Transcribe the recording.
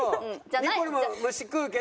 ニコルも虫食うけど。